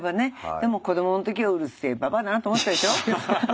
でも子どもの時はうるせえババアだなと思ったでしょ。